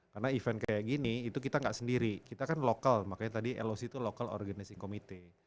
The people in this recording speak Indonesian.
karena event kayak gini itu kita gak sendiri kita kan lokal makanya tadi loc itu local organizing committee